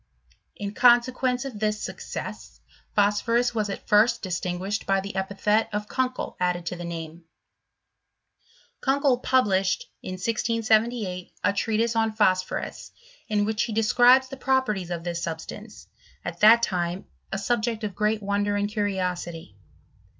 In consequence of this success, phosphorus was at first distinguished by the epithet of Kunkel added to the name. Kunkel published, in 1678, a treatise on phosphorus, in which he describes the properties of this substance, at that time a subject of great wonder and curiosity.